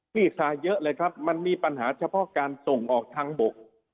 ที่ทรายเยอะเลยครับมันมีปัญหาเฉพาะการส่งออกทางบก